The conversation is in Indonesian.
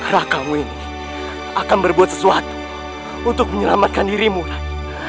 rakamu ini akan berbuat sesuatu untuk menyelamatkan dirimu rai